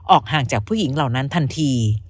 ห่างจากผู้หญิงเหล่านั้นทันที